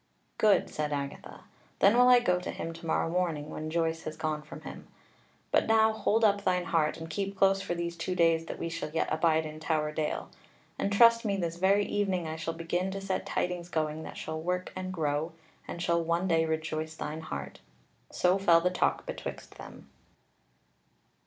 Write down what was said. "Good," said Agatha; "then will I go to him to morrow morning, when Joyce has gone from him. But now hold up thine heart, and keep close for these two days that we shall yet abide in Tower Dale: and trust me this very evening I shall begin to set tidings going that shall work and grow, and shall one day rejoice thine heart." So fell the talk betwixt them.